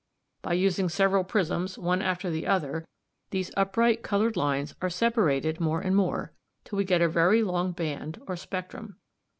By using several prisms one after the other (see Fig. 21), these upright coloured lines are separated more and more till we get a very long band or spectrum.